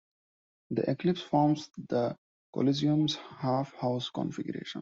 The Eclipse forms the Coliseum's half-house configuration.